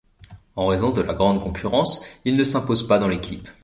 En raison de la grande concurrence, il ne s'impose pas dans l'équipe.